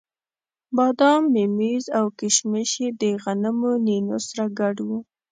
بادام، ممیز او کېشمش یې د غنمو نینو سره ګډ وو.